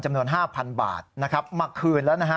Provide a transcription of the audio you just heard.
จำนวน๕๐๐๐บาทมาคืนแล้วนะฮะ